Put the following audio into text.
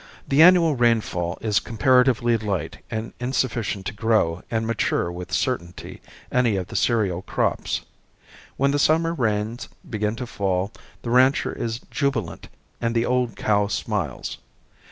The annual rainfall is comparatively light and insufficient to grow and mature with certainty any of the cereal crops. When the summer rains begin to fall the rancher is "jubilant" and the "old cow smiles."